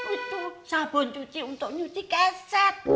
itu sabun cuci untuk nyuci keset